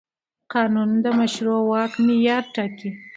قانون د مشروع واک معیار ټاکي.